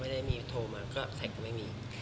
ไม่ได้มีโทรมาก็แท็กก็ไม่มี